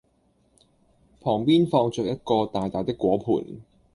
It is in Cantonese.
旁邊放著一個大大的果籃